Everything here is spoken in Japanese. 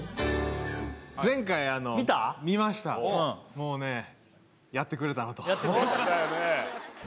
もうねやってくれただよね